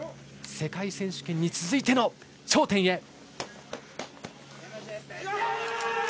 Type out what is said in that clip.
世界選手権に続いての頂点へ。